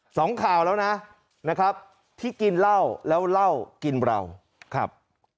สองข่าวแล้วนะนะครับที่กินเหล้าแล้วเหล้ากินเราครับ